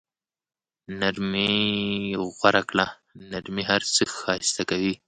نرمي غوره کړه، نرمي هر څه ښایسته کوي.